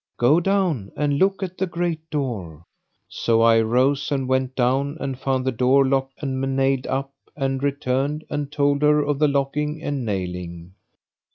Go down and look at the great door." So I arose and went down and found the door locked and nailed up and returned and told her of the locking and nailing.